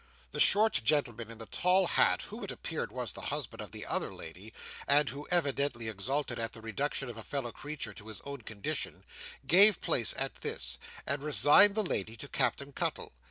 The short gentleman in the tall hat, who it appeared was the husband of the other lady, and who evidently exulted at the reduction of a fellow creature to his own condition, gave place at this, and resigned the lady to Captain Cuttle.